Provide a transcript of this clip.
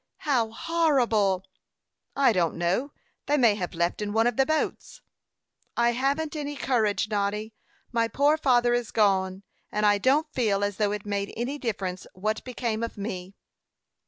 "How horrible!" "I don't know. They may have left in one of the boats." "I haven't any courage, Noddy. My poor father is gone, and I don't feel as though it made any difference what became of me."